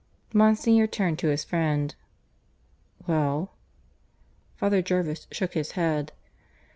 Monsignor turned to his friend. "Well?" Father Jervis shook his head.